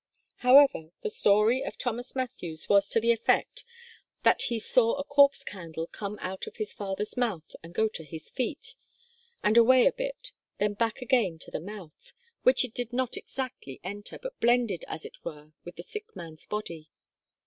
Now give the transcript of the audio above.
However, the story of Thomas Mathews was to the effect that he saw a Corpse Candle come out of his father's mouth and go to his feet, and away a bit, then back again to the mouth, which it did not exactly enter, but blended as it were with the sick man's body.